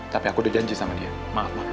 tapi aku udah janji sama dia maaf mah